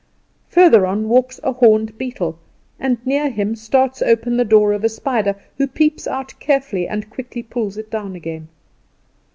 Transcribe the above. Further on walks a horned beetle, and near him starts open the door of a spider, who peeps out carefully, and quickly pulls it down again.